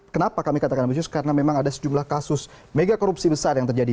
kenapa kami katakan ambisius karena memang ada sejumlah kasus mega korupsi besar yang terjadi